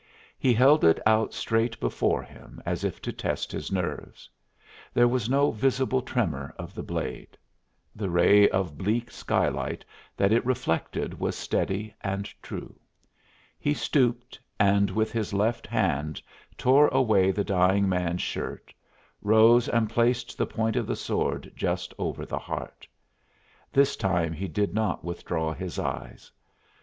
He held it out straight before him, as if to test his nerves. There was no visible tremor of the blade; the ray of bleak skylight that it reflected was steady and true. He stooped and with his left hand tore away the dying man's shirt, rose and placed the point of the sword just over the heart. This time he did not withdraw his eyes.